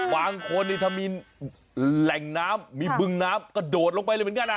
บางคนนี่ถ้ามีแหล่งน้ำมีบึงน้ำกระโดดลงไปเลยเหมือนกัน